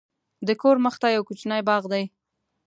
د کور مخته یو کوچنی باغ دی.